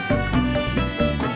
tati disuruh nyiram